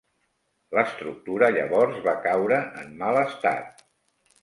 L'estructura llavors va caure en mal estat.